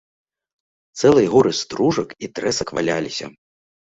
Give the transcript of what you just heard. Цэлыя горы стружак і трэсак валяліся.